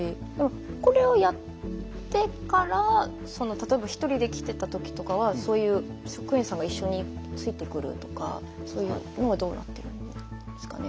これはやってから、例えば１人で来ていた時とかはそういう、職員さんが一緒についてくるとかそういうのはどうなっているんですかね。